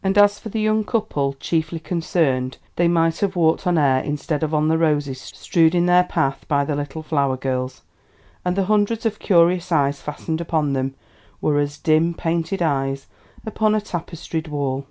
As for the young couple chiefly concerned they might have walked on air instead of on the roses strewed in their path by the little flower girls; and the hundreds of curious eyes fastened upon them were as dim, painted eyes upon a tapestried wall.